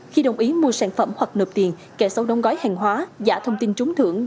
khi đồng ý mua sản phẩm hoặc nợp tiền kẻ xấu đóng gói hàng hóa giả thông tin trúng thưởng